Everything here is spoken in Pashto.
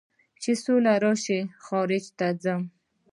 چې سوله راشي خارج ته ځم